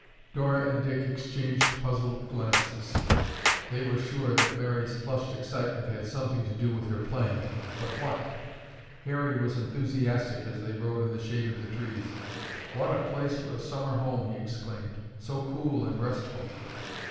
Dora and Dick exchanged puzzled glances. They were sure that Mary's flushed excitement had something to do with her plan, but what? Harry was enthusiastic as they rode in the shade of the trees. "What a place for a summer home," he exclaimed, "so cool and restful."